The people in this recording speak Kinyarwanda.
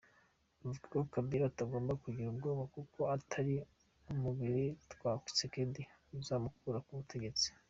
Avuga ko Kabila atagomba kugira ubwoba kuko atari umubiri wa Tshisekedi uzamukura ku butegetsi.